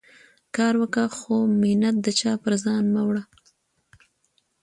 کار وکه، خو مینت د چا پر ځان مه وړه.